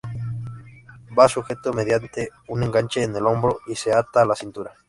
Va sujeto mediante un enganche en el hombro y se ata a la cintura.